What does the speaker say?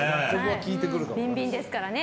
ビンビンですからね。